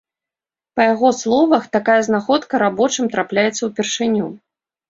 Па яго словах, такая знаходка рабочым трапляецца ўпершыню.